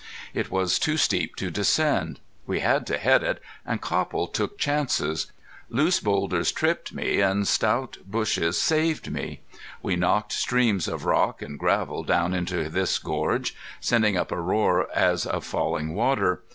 It was too steep to descend. We had to head it, and Copple took chances. Loose boulders tripped me and stout bushes saved me. We knocked streams of rock and gravel down into this gorge, sending up a roar as of falling water.